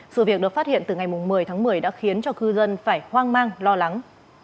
sự việc được phát hiện từ ngày một mươi tháng một mươi đã khiến cho cư dân phải hoang mang lo lắng